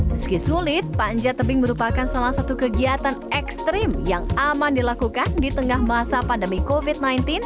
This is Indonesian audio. meski sulit panjat tebing merupakan salah satu kegiatan ekstrim yang aman dilakukan di tengah masa pandemi covid sembilan belas